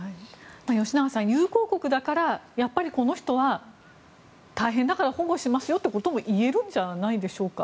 吉永さん、友好国だからやっぱりこの人は大変だから保護しますよということも言えるんじゃないでしょうか。